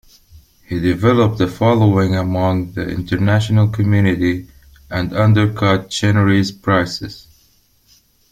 He developed a following among the international community, and undercut Chinnery's prices.